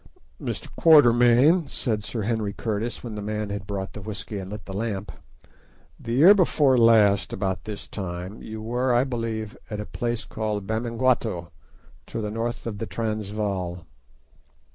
"Mr. Quatermain," said Sir Henry Curtis, when the man had brought the whisky and lit the lamp, "the year before last about this time, you were, I believe, at a place called Bamangwato, to the north of the Transvaal."